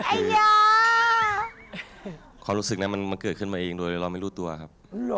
อาญาความรู้สึกนั้นมันเกิดขึ้นมาเองโดยเราไม่รู้ตัวครับ